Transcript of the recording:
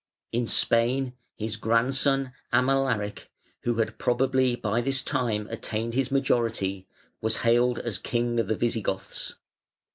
In Spain, his grandson, Amalaric, who had probably by this time attained his majority, was hailed as king of the Visigoths.